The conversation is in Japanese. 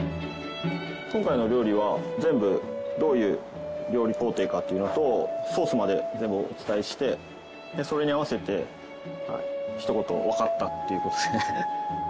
今回の料理は全部どういう料理工程かっていうのとソースまで全部お伝えしてそれに合わせて一言わかったっていう事で。